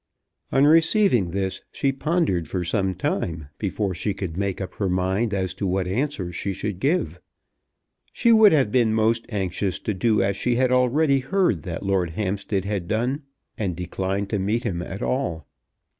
On receiving this she pondered for some time before she could make up her mind as to what answer she should give. She would have been most anxious to do as she had already heard that Lord Hampstead had done, and decline to meet him at all.